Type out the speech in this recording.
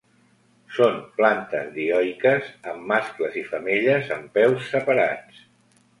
Són plantes dioiques amb mascles i femelles en peus separats.